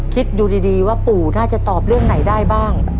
คิดดูดีว่าปู่น่าจะตอบเรื่องไหนได้บ้าง